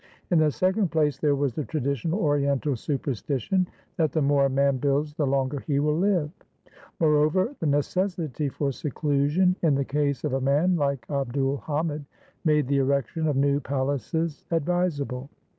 In the second place, there was the traditional Oriental superstition that the more a man builds the longer he will live. Moreover, the necessity for seclusion, in the case of a man like Abd ul Hamid, made the erection of new palaces advisable.